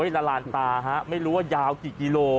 ละลานตาฮะไม่รู้ว่ายาวกี่กิโล